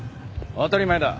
当たり前だ。